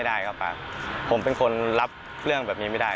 อย่าบอกโดนกันทุกคันเลย